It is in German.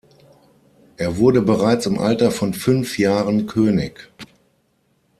Er wurde bereits im Alter von fünf Jahren König.